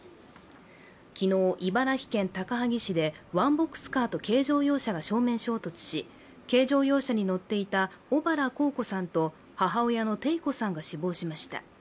昨日、茨城県高萩市でワンボックスカーと軽乗用車が正面衝突し軽乗用車に乗っていた小原幸子さんと母親のテイ子さんが死亡しました。